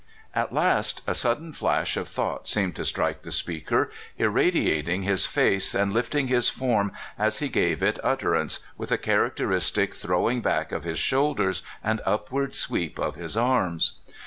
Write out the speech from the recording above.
At last a sudden flash of thought seemed to strike the speaker, irradiating his face and hfting his form as he gave it utter ance, with a characteristic throwing back of his shoulders and upward sweep of his arms.